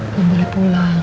kamu boleh pulang